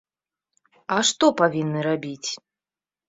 А што павінны рабіць?